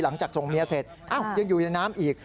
หลังจากส่งเมียเสร็จยังอยู่ในน้ำอีก